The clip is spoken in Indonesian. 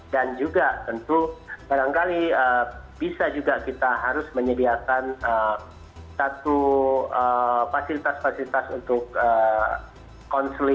dan juga tentu kadangkala bisa juga kita harus menyediakan satu fasilitas fasilitas untuk konsumsi